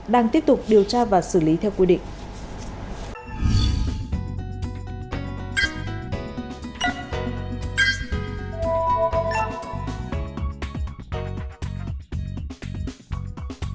đang tiếp tục điều tra và xử lý theo quy định